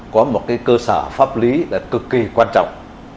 có một cơ sở pháp lý là cực kỳ quan trọng